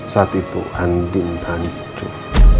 saat itu andin hancur